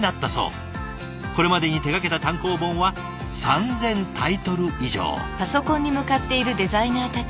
これまでに手がけた単行本は３，０００タイトル以上。